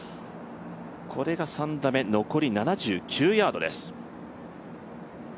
これが３打目、残り７９ヤードです。